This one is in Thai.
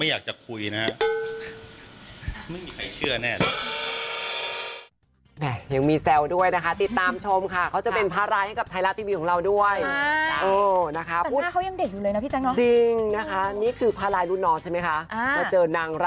ไม่อยากจะคุยนะไม่มีใครเชื่อแน่